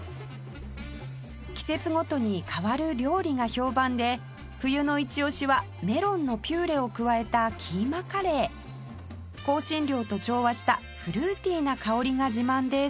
季節ごとに変わる料理が評判で冬のイチオシはメロンのピューレを加えたキーマカレー香辛料と調和したフルーティーな香りが自慢です